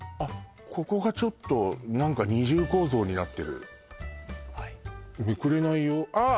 ここがちょっと何か二重構造になってるはいめくれないよああ